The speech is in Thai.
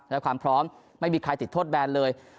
และความพร้อมไม่มีใครติดโทษแบนเลย